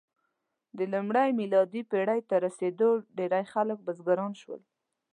د لومړۍ میلادي پېړۍ تر رسېدو ډېری خلک بزګران شول.